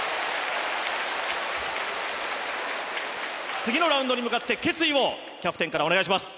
次のラウンドに向かって決意をキャプテンからお願いします。